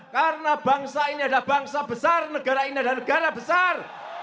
karena bangsa ini adalah bangsa besar negara ini adalah negara besar